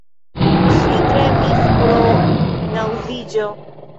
Ŝi tremis pro naŭziĝo.